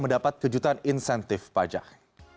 mendapat kejutan insentif pajak